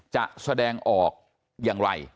จะแสดงออกอย่างไร